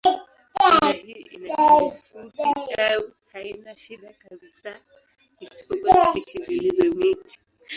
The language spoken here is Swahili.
Mimea hii ina shina fupi au haina shina kabisa, isipokuwa spishi zilizo miti.